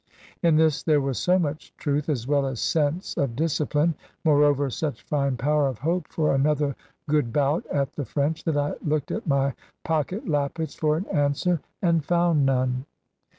In this there was so much truth, as well as sense of discipline, moreover such fine power of hope for another good bout at the French, that I looked at my pocket lappets for an answer; and found none.